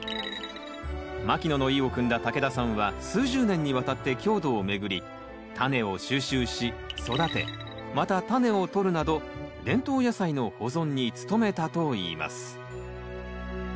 牧野の意をくんだ竹田さんは数十年にわたって郷土を巡りタネを収集し育てまたタネをとるなど伝統野菜の保存に努めたといいます。